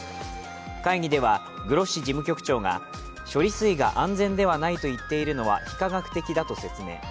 会議ではグロッシ事務局長が処理水が安全ではないといっているのは非科学的だと説明。